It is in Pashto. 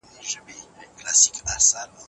لاس مو تل د خپل ګرېوان په وینو سور دی